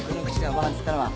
おばはんっつったのは？